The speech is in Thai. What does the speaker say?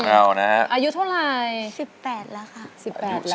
อายุเท่าไร